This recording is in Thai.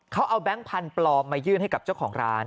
เขาเอาแบงค์พันธุ์ปลอมมายื่นให้กับเจ้าของร้าน